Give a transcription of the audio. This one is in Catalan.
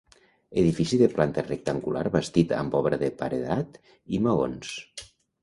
Edifici de planta rectangular bastit amb obra de paredat i maons.